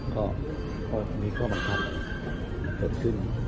ก็มีข้อมันค่ำมันเกิดขึ้น